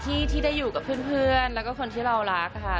ที่ได้อยู่กับเพื่อนแล้วก็คนที่เรารักค่ะ